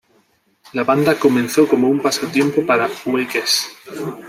La banda comenzó como un pasatiempo para Weekes.